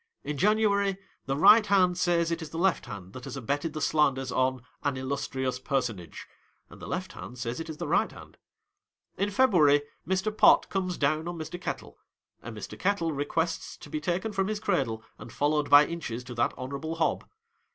In January, the right hand says it is the left hand that has abetted the slanders on "an illustrious personage," and the left hand says it is the right hand. In February, Mr. Pot comes down on Mr. Kettle, and Mr. Kettle requests to be taken from his cradle and followed by inches to that honourably hob.